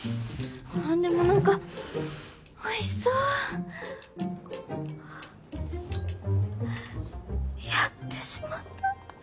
あでも何かおいしそう！あっやってしまった。